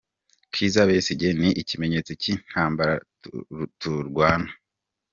Kizza Besigye ni ikimenyetso cy’intambara turwana.